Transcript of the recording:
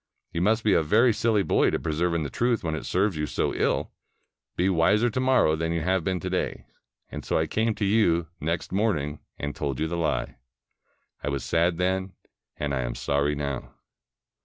You must be a very silly boy to persevere in the truth when it serves you so ill. Be wiser to morrow than you have been to day.' And so I came to you next morning and told you the lie. I was sad then, and I am sorry now."